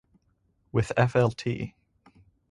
With Flt.